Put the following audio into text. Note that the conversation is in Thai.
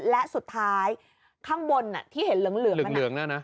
และสุดท้ายข้างบนที่เห็นเหลือง